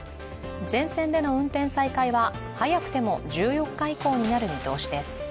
全線での運転再開は、早くても１４日以降になる見通しです。